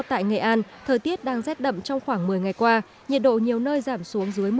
tại nghệ an thời tiết đang rét đậm trong khoảng một mươi ngày qua nhiệt độ nhiều nơi giảm xuống dưới một mươi